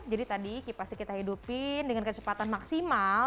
jadi tadi pasti kita hidupin dengan kecepatan maksimal